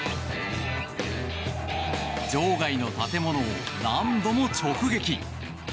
場外の建物を何度も直撃。